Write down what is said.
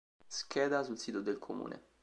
Scheda sul sito del comune